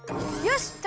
よし！